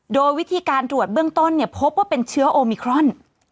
โดยวิธีการตรวจเบื้องต้นเนี่ยพบว่าเป็นเชื้อโอมิครอน